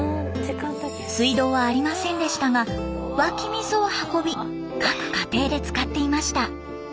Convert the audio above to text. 水道はありませんでしたが湧き水を運び各家庭で使っていました。